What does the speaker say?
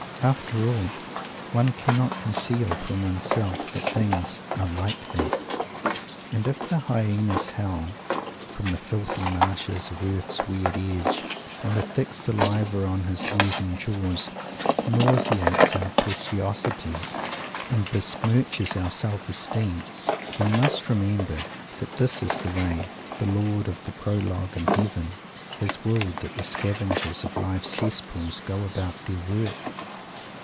After all, one cannot conceal from one's self that things are like that and if the hyaena's howl, from the filthy marshes of earth's weird edge and the thick saliva on his oozing jaws, nauseates our preciosity, and besmirches our self esteem, we must remember that this is the way the Lord of "the Prologue in Heaven" has willed that the scavengers of life's cesspools go about their work!